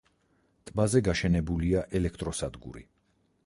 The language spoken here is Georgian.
ტბაზე გაშენებულია ელექტროსადგური.